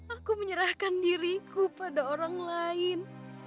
aku menyerahkan diriku pada orang lain